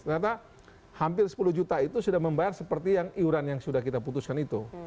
ternyata hampir sepuluh juta itu sudah membayar seperti yang iuran yang sudah kita putuskan itu